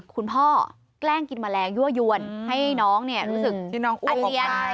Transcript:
คุณพ่อแกล้งกินแมลงยั่วยวนให้น้องรู้สึกอัลลิอัย